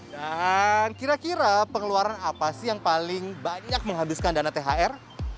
dan kira kira pengeluaran apa sih yang paling banyak menghabiskan dana thr